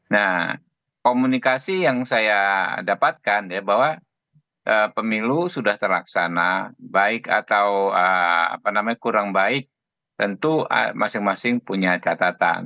nah komunikasi yang saya dapatkan ya bahwa pemilu sudah terlaksana baik atau kurang baik tentu masing masing punya catatan